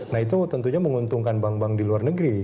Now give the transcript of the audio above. nah itu tentunya menguntungkan bank bank di luar negeri